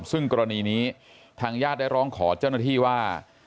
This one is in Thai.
ซึ่งกรณีนี้ทางญาติได้ร้องขอเจ้าหน้าที่ว่า